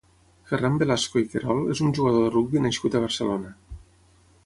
Ferran Velazco i Querol és un jugador de rugbi nascut a Barcelona.